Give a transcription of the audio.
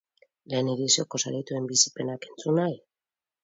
Lehen edizioko sarituen bizipenak entzun nahi?